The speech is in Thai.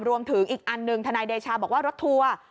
รวมถึงอีกอันหนึ่งทนายเดชาบอกว่ารถทัวร์